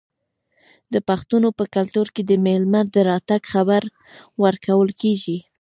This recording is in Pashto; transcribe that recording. د پښتنو په کلتور کې د میلمه د راتګ خبر ورکول کیږي.